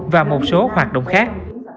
và một số hoạt động khác